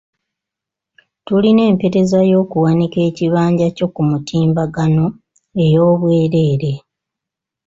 Tulina empeereza y'okuwanika ekibanja kyo ku mutimbagano ey'obwereere.